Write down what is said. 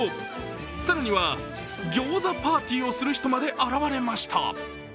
更には餃子パーティーをする人まで現れました。